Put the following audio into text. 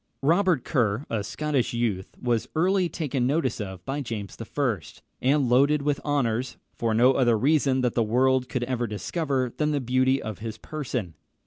Robert Kerr, a Scottish youth, was early taken notice of by James I., and loaded with honours, for no other reason that the world could ever discover than the beauty of his person.